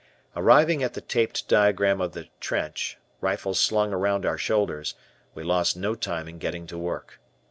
Arriving at the taped diagram of the trench, rifles slung around our shoulders, we lost no time in getting to work.